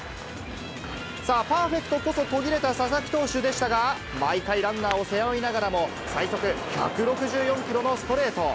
さあ、パーフェクトこそ途切れた佐々木投手でしたが、毎回ランナーを背負いながらも、最速１６４キロのストレート。